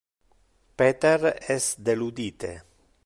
Peter es deludite.